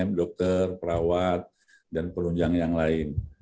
tim dokter perawat dan penunjang yang lain